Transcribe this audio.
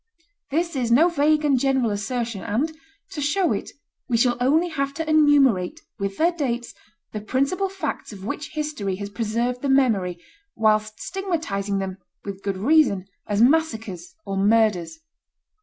This is no vague and general assertion; and, to show it, we shall only have to enumerate, with their dates, the principal facts of which history has preserved the memory, whilst stigmatizing them, with good reason, as massacres or murders.